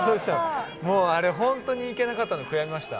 あれ、本当に行けなかったのが悔やみました。